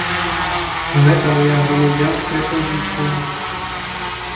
Гэта мая грамадзянская пазіцыя.